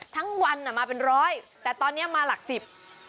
ทั้งวันอ่ะมาเป็นร้อยแต่ตอนเนี้ยมาหลักสิบ